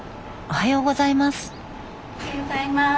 おはようございます。